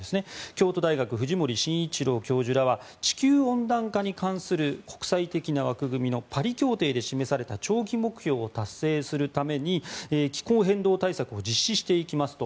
京都大学藤森真一郎教授らは地球温暖化に関する国際的な枠組みのパリ協定で示された長期目標を達成するために気候変動対策を実施していきますと。